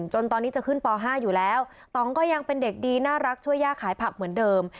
จนตอนนี้จะขึ้นป๕อยู่แล้วต่องก็ยังเป็นเด็กดีน่ารักช่วยย่าขายผักเหมือนเดิม